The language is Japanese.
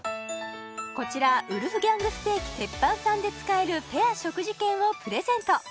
こちらウルフギャング・ステーキＴＥＰＰＡＮさんで使えるペア食事券をプレゼント